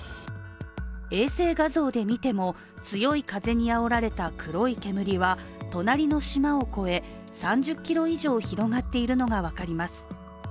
衛星画像で見ても、強い風にあおられた黒い煙は隣の島を越え、３０ｋｍ以上広がっているのが分かります。